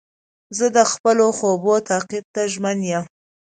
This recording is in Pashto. زه د خپلو خوبو تعقیب ته ژمن یم.